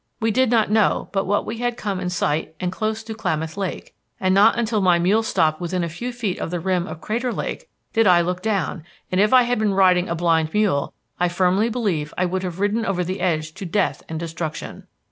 We did not know but what we had come in sight and close to Klamath Lake, and not until my mule stopped within a few feet of the rim of Crater Lake did I look down, and if I had been riding a blind mule I firmly believe I would have ridden over the edge to death and destruction...."